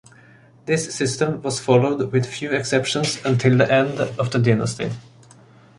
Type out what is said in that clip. This system was followed with few exceptions until the end of the dynasty.